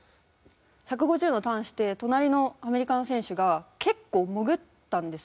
１５０のターンして隣のアメリカの選手が結構潜ったんですよ。